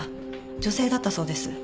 女性だったそうです。